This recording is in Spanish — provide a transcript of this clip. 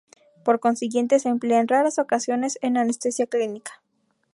Por consiguiente, se emplea en raras ocasiones en anestesia clínica.